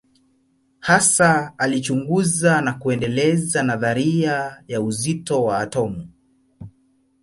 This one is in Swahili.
Hasa alichunguza na kuendeleza nadharia ya uzito wa atomu.